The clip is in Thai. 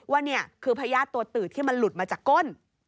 ว่านี่คือพญาติตัวตืดที่มันหลุดมาจากก้น